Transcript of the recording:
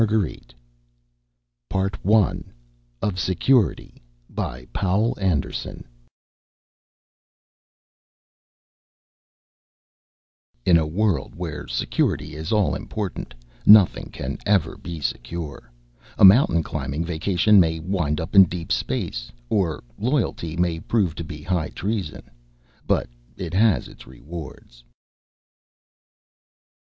pgdp.net SECURITY BY POUL ANDERSON ILLUSTRATED BY EBEL In a world where Security is all important, nothing can ever be secure. A mountain climbing vacation may wind up in deep Space. Or loyalty may prove to be high treason. But it has its rewards.